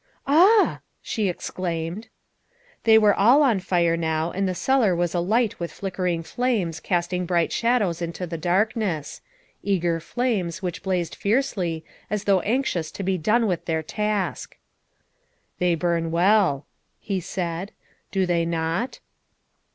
"Ah!" she exclaimed. They were all on fire now, and the cellar was alight with flickering flames casting bright shadows into the darkness eager flames which blazed fiercely as though anxious to be done with their task. " They burn well," he said, " do they not?"